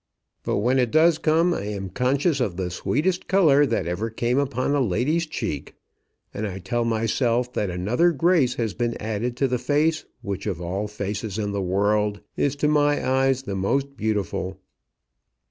"But when it does come I am conscious of the sweetest colour that ever came upon a lady's cheek. And I tell myself that another grace has been added to the face which of all faces in the world is to my eyes the most beautiful."